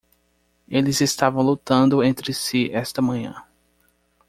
Eles estavam lutando entre si esta manhã.